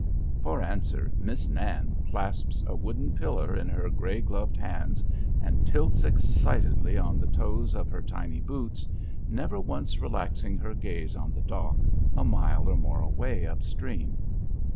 For answer Miss Nan clasps a wooden pillar in her gray gloved hands, and tilts excitedly on the toes of her tiny boots, never once relaxing her gaze on the dock a mile or more away up stream.